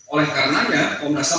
oleh karenanya komnas ham